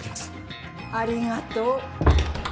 ありがとう。